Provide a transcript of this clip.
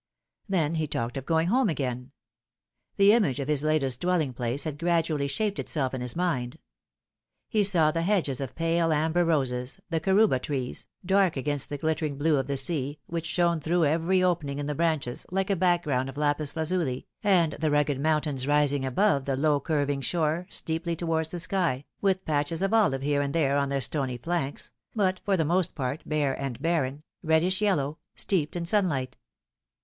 Then he talked of going home again. The image of his latest dwelling place had gradually shaped itself in his mind. He saw the hedges of pale amber roses, the carouba trees, dark against the glittering blue of the sea, which shone through every open ing in the branches like a background of lapis lazuli, and the rugged mountains rising above the low curving shore steeply towards the sky, with patches of olive here and there on their stony flanks, but for the most part bare and barren, reddish yellow, steeped in sunlight.